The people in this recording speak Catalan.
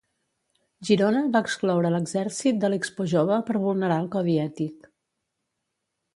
Girona va excloure l'exèrcit de l'ExpoJove per vulnerar el codi ètic.